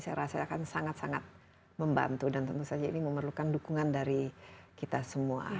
saya rasa akan sangat sangat membantu dan tentu saja ini memerlukan dukungan dari kita semua